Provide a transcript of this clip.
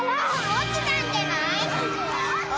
落ちたんじゃない？